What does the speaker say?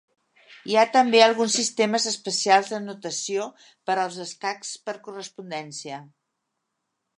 Hi ha també alguns sistemes especials de notació per als escacs per correspondència.